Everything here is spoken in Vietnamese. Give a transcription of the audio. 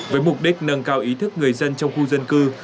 với mục đích nâng cao ý thức người dân trong khu dân cư